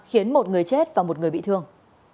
khiến một người chết và một người bị thương